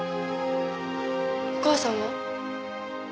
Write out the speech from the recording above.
お母さんは？